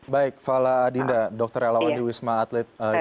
baik fala adinda dr elowandi wisma atlet